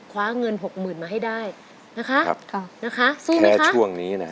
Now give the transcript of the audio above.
คว้าเงินหกหมื่นมาให้ได้นะคะสู้ไหมคะแค่ช่วงนี้นะเนี้ย